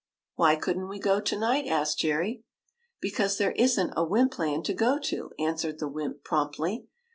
'* ''Why couldn't we go to night?" asked Jerry. '' Because there is n't a Wympland to go to,'' answered the wymp, promptly.